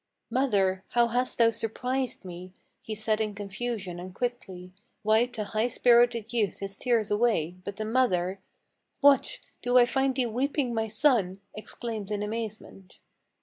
"Mother, how hast thou surprised me!" he said in confusion; and quickly Wiped the high spirited youth his tears away. But the mother, "What! do I find thee weeping, my son?" exclaimed in amazement.